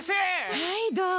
はいどうぞ。